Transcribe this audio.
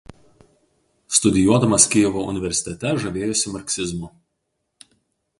Studijuodamas Kijevo universitete žavėjosi marksizmu.